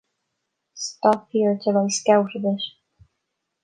Stop here till I scout a bit.